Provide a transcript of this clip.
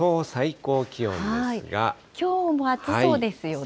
きょうも暑そうですよね。